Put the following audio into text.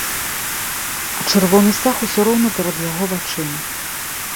А чырвоны сцяг усё роўна перад яго вачыма.